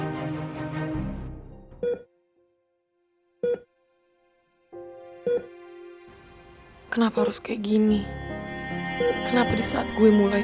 jangan lupa untuk beri dukungan di kolom komentar